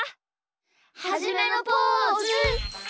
はじめのポーズ！